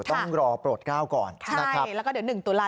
ต้องรอโปรดก้าวก่อนใช่แล้วก็เดี๋ยวหนึ่งตัวลา